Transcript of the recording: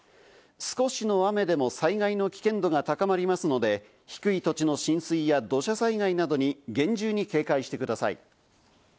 少しの雨でも災害の危険度が高まりますので、低い土地の浸水や、土砂災害などに厳重に警戒してください。